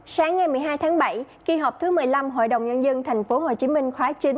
sáng ngày một mươi hai tháng bảy kỳ họp thứ một mươi năm hội đồng nhân dân tp hcm khóa chín